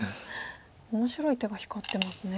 面白い手が光ってますね。